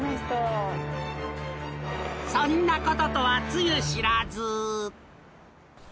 ［そんなこととはつゆ知らず］